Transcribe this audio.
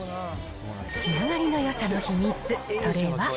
仕上がりのよさの秘密、それは。